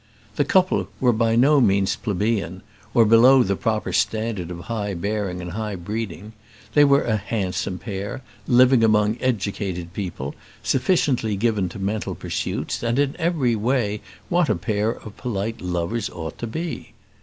The couple were by no means plebeian, or below the proper standard of high bearing and high breeding; they were a handsome pair, living among educated people, sufficiently given to mental pursuits, and in every way what a pair of polite lovers ought to be.